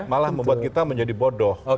malah membuat kita menjadi bodoh